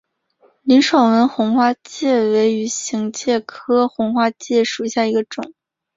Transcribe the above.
林爽文红花介为鱼形介科红花介属下的一个种。